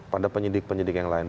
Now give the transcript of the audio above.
pada penyidik penyidik yang lain